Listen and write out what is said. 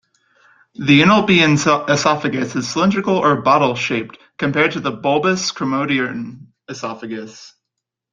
The enoplean esophagus is cylindrical or "bottle-shaped", compared to the bulbous chromadorean esophagus.